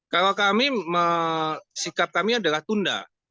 kalau kami sikap kami adalah tunda